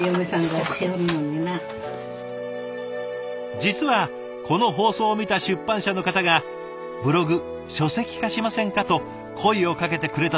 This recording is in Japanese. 実はこの放送を見た出版社の方が「ブログ書籍化しませんか？」と声をかけてくれたそうで。